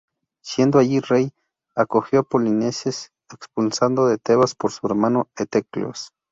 Siendo allí rey acogió a Polinices, expulsado de Tebas por su hermano Eteocles.